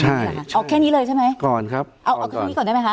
เอาแค่นี้เลยใช่ไหมก่อนครับเอาเอาแค่นี้ก่อนได้ไหมคะ